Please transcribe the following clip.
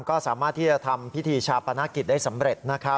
ก็สามารถที่จะทำพิธีชาปนกิจได้สำเร็จ